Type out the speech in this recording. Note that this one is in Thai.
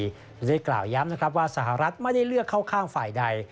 ได้กล่าวย้ำนะครับว่าสหรัฐไม่ได้เลือกเข้าข้างฝ่ายใด